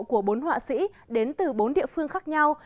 của bốn họa sĩ đến từ bốn địa phương khác nhau